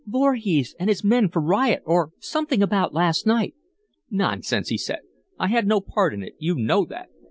"Voorhees and his men for riot, or something about last night." "Nonsense," he said. "I had no part in it. You know that."